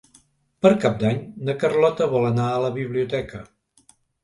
Per Cap d'Any na Carlota vol anar a la biblioteca.